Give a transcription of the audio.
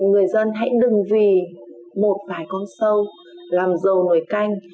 người dân hãy đừng vì một vài con sâu làm dầu nổi canh